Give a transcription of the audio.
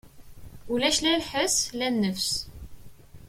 Ulac la lḥes la nnefs.